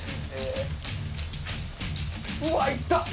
うわいった！